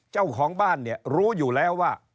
เจ้าของบ้านเนี่ยรู้อยู่แล้วว่า